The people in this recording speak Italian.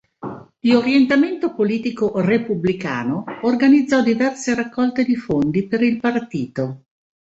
Di orientamento politico repubblicano, organizzò diverse raccolte di fondi per il partito.